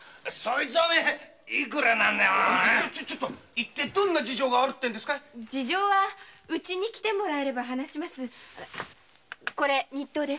一体どんな事情が？事情は家に来てもらえば話します。